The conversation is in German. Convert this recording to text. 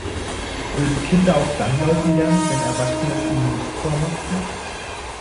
Würden Kinder auch dann laufen lernen, wenn Erwachsene es ihnen nicht vormachten?